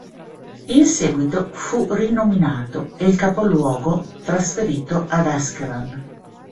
In seguito fu rinominato e il capoluogo trasferito ad Askeran.